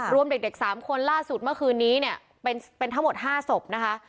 รวมเด็ก๓คนล่าสุดเมื่อคืนนี้เนี่ยเป็นทั้งหมด๕ศพนะคะ